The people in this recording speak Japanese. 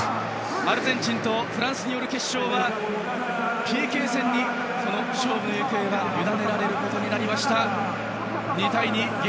アルゼンチンとフランスによる決勝はＰＫ戦に、勝負の行方がゆだねられることになりました。